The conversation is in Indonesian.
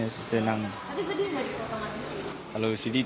ada sedih nggak di potongan